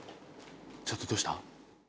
ちょっとどうした？